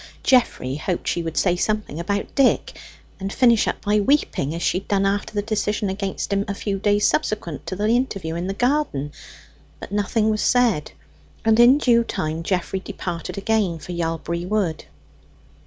Geoffrey hoped she would say something about Dick, and finish up by weeping, as she had done after the decision against him a few days subsequent to the interview in the garden. But nothing was said, and in due time Geoffrey departed again for Yalbury Wood.